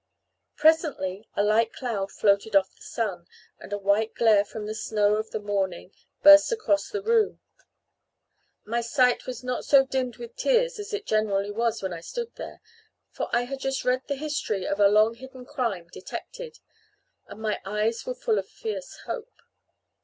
Presently a light cloud floated off the sun, and a white glare from the snow of the morning burst across the room. My sight was not so dimmed with tears as it generally was when I stood there, for I had just read the history of a long hidden crime detected, and my eyes were full of fierce hope.